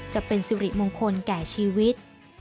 จะเป็นสิริมงคลแก่ชีวิต